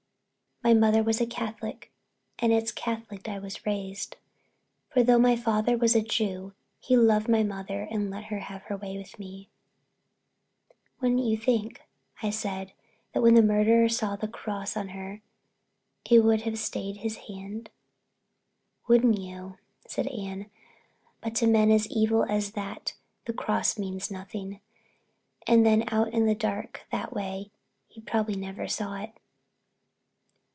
My mother was a Catholic and it's Catholic I was raised, for though my father was a Jew he loved my mother and let her have her way with me. "Wouldn't you think," I said, "that when the murderer saw the cross on her it would have stayed his hand?" "Wouldn't you," said Anne, "but to men as evil as that the cross means nothing. And then out in the dark that way, he probably never saw it."